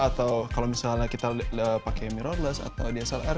atau kalau misalnya kita pakai mirrorless atau dslr